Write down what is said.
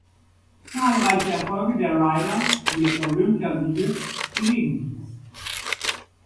Zahlreiche Erfolge der Rider, wie etwa Olympiasiege, belegen dies.